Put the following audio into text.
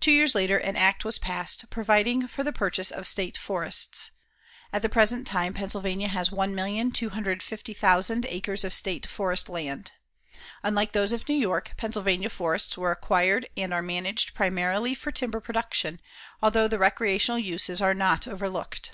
Two years later, an act was passed providing for the purchase of state forests. At the present time, Pennsylvania has 1,250,000 acres of state forest land. Unlike those of New York, Pennsylvania forests were acquired and are managed primarily for timber production, although the recreational uses are not overlooked.